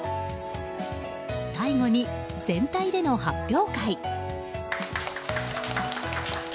最後に、全体での発表会。